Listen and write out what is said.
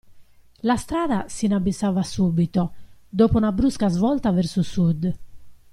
La strada si inabissava subito, dopo una brusca svolta verso Sud.